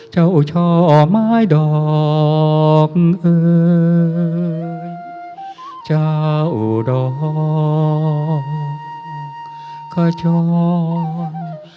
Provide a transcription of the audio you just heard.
เจ้าช่อไม้ดอกเอ่ยเจ้าดอกกระจ่อน